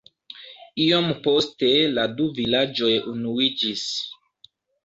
Iom poste la du vilaĝoj unuiĝis.